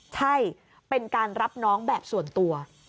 ใช่เป็นการรับน้องแบบส่วนตัว